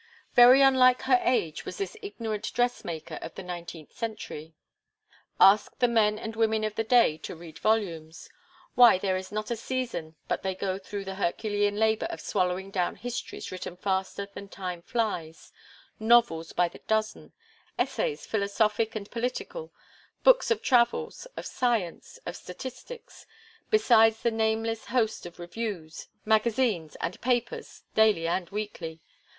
Very unlike her age was this ignorant dress maker of the nineteenth century. Ask the men and women of the day to read volumes; why, there is not a season but they go through the Herculean labour of swallowing down histories written faster than time flies, novels by the dozen, essays, philosophic and political, books of travels, of science, of statistics, besides the nameless host of reviews, magazines, and papers, daily and weekly.